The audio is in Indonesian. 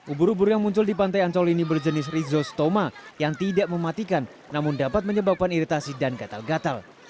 ubur ubur yang muncul di pantai ancol ini berjenis rhizostoma yang tidak mematikan namun dapat menyebabkan iritasi dan gatal gatal